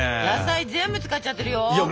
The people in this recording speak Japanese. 野菜全部使っちゃってるよ。